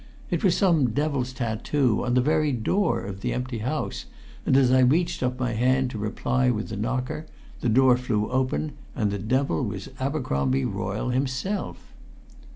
It was some devil's tattoo on the very door of the empty house, and as I reached up my hand to reply with the knocker, the door flew open and the devil was Abercromby Royle himself.